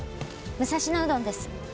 武蔵野うどんです。